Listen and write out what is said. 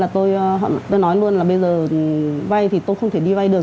tôi nói luôn là bây giờ vay thì tôi không thể đi vay được